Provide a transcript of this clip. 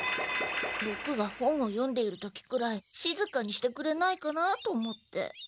ボクが本を読んでいる時くらいしずかにしてくれないかなあと思って。